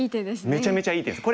めちゃめちゃいい手です。